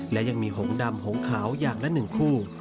และยังมีหงดำหงขาวอย่างละ๑คู่